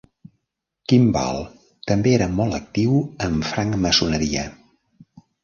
Kimball també era molt actiu en francmaçoneria.